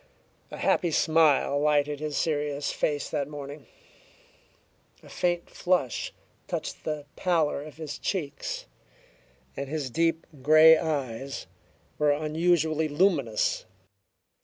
A happy smile lighted his serious face that morning; a faint flush touched the pallor of his cheeks; and his deep grey eyes were unusually luminous.